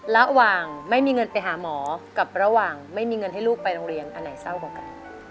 ระหว่างไม่มีเงินไปหาหมอกับระหว่างไม่มีเงินให้ลูกไปโรงเรียนอันไหนเศร้ากว่ากัน